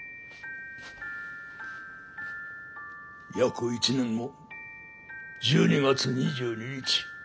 約１年後１２月２２日